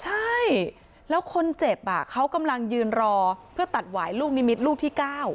ใช่แล้วคนเจ็บเขากำลังยืนรอเพื่อตัดหวายลูกนิมิตรลูกที่๙